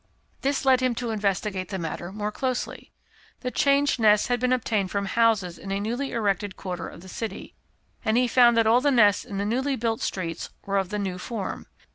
This led him to investigate the matter more closely. The changed nests had been obtained from houses in a newly erected quarter of the city, and he found that all the nests in the newly built streets were of the new form.